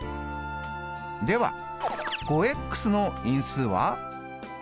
では５の因数は？